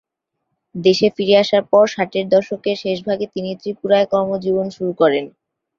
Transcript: দেশে ফিরে আসার পর ষাটের দশকের শেষভাগে তিনি ত্রিপুরায় কর্মজীবন শুরু করেন।